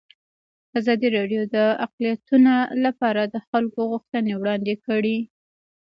ازادي راډیو د اقلیتونه لپاره د خلکو غوښتنې وړاندې کړي.